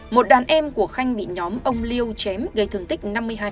một đàn em của khanh bị nhóm ông liêu chém gây thương tích năm mươi hai